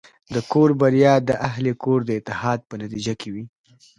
د کور بریا د اهلِ کور د اتحاد په نتیجه کې وي.